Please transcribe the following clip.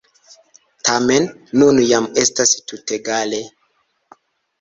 Tamen, nun jam estas tutegale.